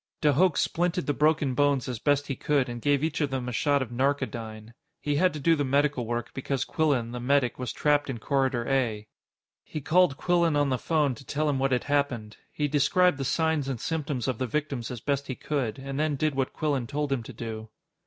De Hooch splinted the broken bones as best he could and gave each of them a shot of narcodyne. He had to do the medical work because Quillan, the medic, was trapped in Corridor A. He called Quillan on the phone to tell him what had happened. He described the signs and symptoms of the victims as best he could, and then did what Quillan told him to do.